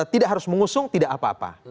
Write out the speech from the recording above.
tidak harus mengusung tidak apa apa